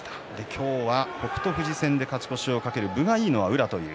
今日は、北勝富士戦で勝ち越しを懸ける、分がいいのは宇良。